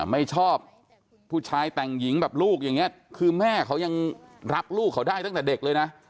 ไม่ชอบผู้ชายแต่งหญิงแบบลูกอย่างนี้คือแม่เขายังรักลูกเขาได้ตั้งแต่เด็กเลยนะ